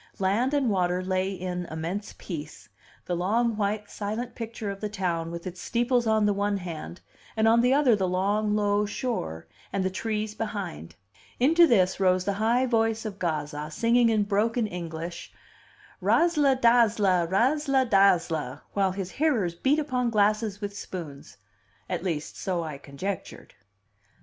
Land and water lay in immense peace; the long, white, silent picture of the town with its steeples on the one hand, and on the other the long, low shore, and the trees behind. Into this rose the high voice of Gazza, singing in broken English, "Razzla dazzla, razzla dazzla," while his hearers beat upon glasses with spoons at least so I conjectured.